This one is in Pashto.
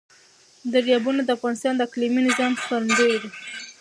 دریابونه د افغانستان د اقلیمي نظام ښکارندوی ده.